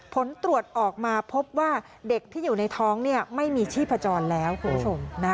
ผลตรวจออกมาพบว่าเด็กที่อยู่ในท้องไม่มีชีพจรแล้วคุณผู้ชม